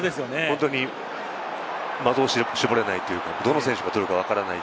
本当に的を絞れないというか、どの選手が取るのかわからない。